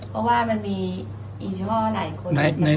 เพราะว่ามันมีอีช่อหลายคน